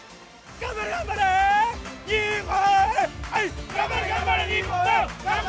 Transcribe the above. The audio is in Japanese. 頑張れ、頑張れ、日本！